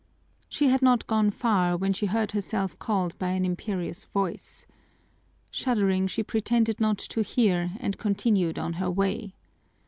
She had not gone far when she heard herself called by an imperious voice. Shuddering, she pretended not to hear, and continued on her way.